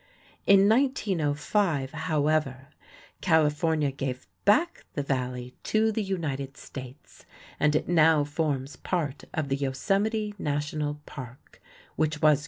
In 1905, however, California gave back the Valley to the United States, and it now forms part of the Yosemite National Park, which was created in 1890.